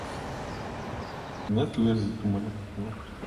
Que ordene la rectificación y aquí no ha pasado nada.